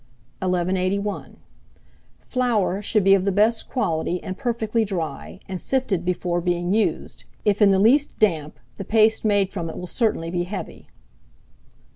1181. Flour should be of the best quality, and perfectly dry, and sifted before being used; if in the least damp, the paste made from it will certainly be heavy.